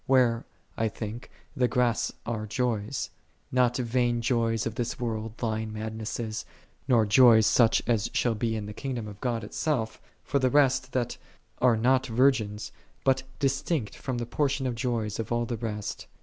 Where, I think, the grass are joys; not vain joys of this world, lying madnesses; nor joys such as shall be in the kingdom of God itself, for the rest that are not virgins; but distinct from the portion of joys of all the rest.